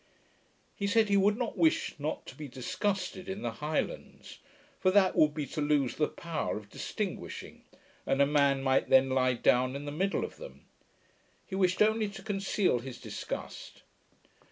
He said, he would not wish not to be disgusted in the Highlands; for that would be to lose the power of distinguishing, and a man might then lie down in the middle of them. He wished only to conceal his disgust.